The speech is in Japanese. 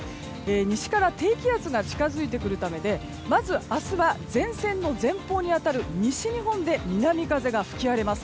西から低気圧が近づいてくるためでまず明日は前線の前方に当たる西日本で南風が吹き荒れます。